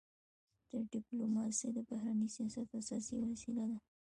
ډيپلوماسي د بهرني سیاست اساسي وسیله ده.